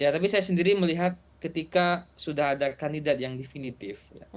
tapi saya sendiri melihat ketika sudah ada kandidat yang definitif